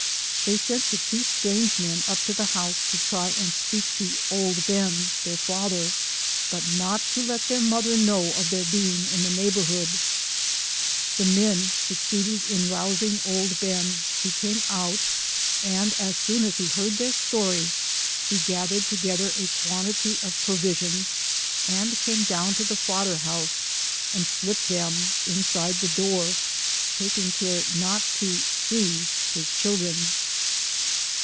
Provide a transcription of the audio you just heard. They sent the two strange men up to the house to try and speak to " Old Ben," their father, but not to let their mother know of their being in the neighbor hood. The men succeeded in rousing old Ben, who came out, and as soon as he heard their story, he gathered together a quantity of provisions, and came down to the fodder house, and slipped them inside the door, taking care not to see his children. LIFE OF HARRIET TUBMAN.